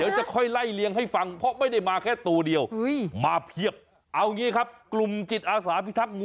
จริงหรือเปล่าเดี๋ยวจะค่อยไล่เลี้ยงให้ฟัง